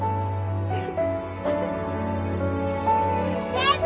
先生！